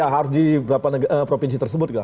harus di provinsi tersebut